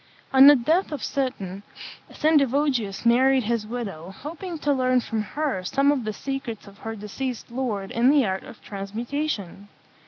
On the death of Seton, Sendivogius married his widow, hoping to learn from her some of the secrets of her deceased lord in the art of transmutation.